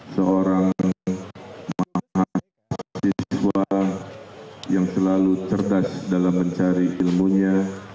seorang mahasiswa yang selalu cerdas dalam mencari ilmunya